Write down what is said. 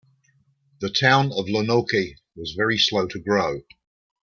The town of Lonoke was very slow to grow.